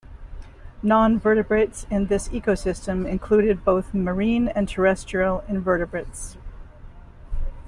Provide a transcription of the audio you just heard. Non-vertebrates in this ecosystem included both marine and terrestrial invertebrates.